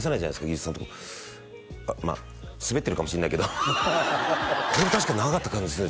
技術さんとかまあスベってるかもしんないけどこれ確か長かった感じする